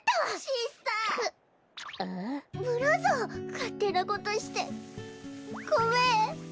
かってなことしてごめん。